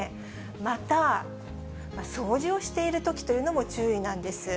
また、掃除をしているときというのも注意なんです。